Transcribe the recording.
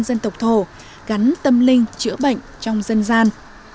dân tộc thổ gắn tâm linh chữa bệnh trong dân gian